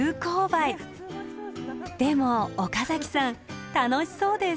でも岡崎さん楽しそうです。